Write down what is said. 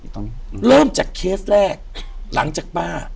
อยู่ที่แม่ศรีวิรัยิลครับ